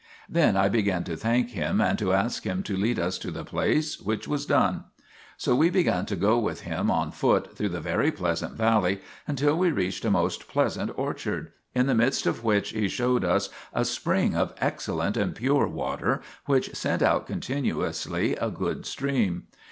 Then I began to thank him and to ask him to lead us to the place, which was done. So we began to go with him on foot through the very pleasant valley, until we reached a most pleasant orchard, in the midst of which he showed us a spring of excellent and pure water, which sent out continuously a good stream.